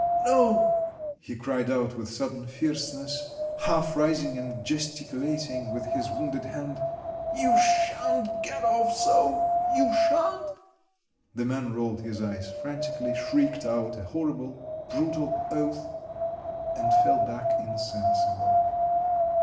... No!" he cried out with sudden fierceness, half rising and ges ticulating with his wounded hand; "you shan't get off so! .. .You shan't!" The man rolled his eyes frantically, shrieked out a horrible, brutal oath, and fell back insensible.